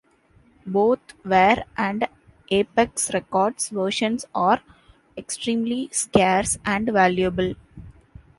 Both Ware and Apex Records versions are extremely scarce and valuable.